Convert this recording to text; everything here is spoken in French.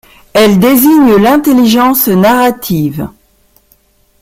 Elle désigne l'intelligence narrative.